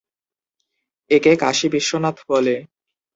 একে কাশী বিশ্বনাথ বলে।